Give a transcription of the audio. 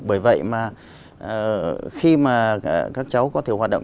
bởi vậy mà khi mà các cháu có thể hoạt động